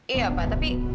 iya pak tapi